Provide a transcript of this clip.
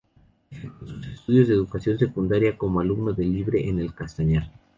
Efectuó sus estudios de educación secundaria como alumno libre en El Castañar.